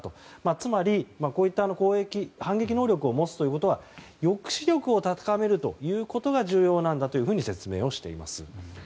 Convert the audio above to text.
つまり、こういった反撃能力を持つということは抑止力を高めるということが重要なんだというふうに説明をしています。